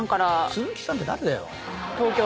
鈴木さんって誰だよ